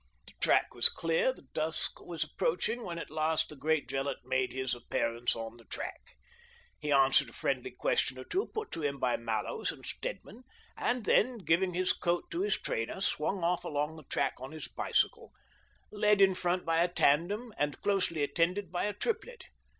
The track was clear, and dusk was approaching when at last the great Gillett made his appearance on the track. He answered a friendly question or two put to him by Mallows and Stedman, and 166 THE DOEBINGTON DEED BOX then, giving his coat to his trainer, swung off along the track on his bicycle, led in front by a tandem and closely attended by a triplet.